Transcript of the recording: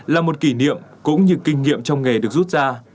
là một kỷ niệm cũng như kinh nghiệm trong nghề được rút ra